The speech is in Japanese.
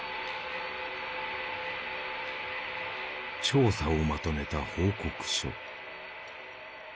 調査をまとめた報告書。